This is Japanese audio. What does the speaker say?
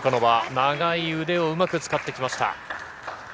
長い腕をうまく使ってきました。